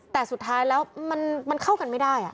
แต่สุดท้ายแล้วมันเข้ากันไม่ได้